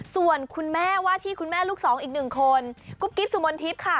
ส่วนคุณแม่ว่าที่คุณแม่ลูกสองอีกหนึ่งคนกุ๊บกิ๊บสุมนทิพย์ค่ะ